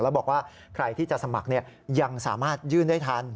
แล้วบอกว่าใครที่จะสมัครยังสามารถยื่นได้ทัน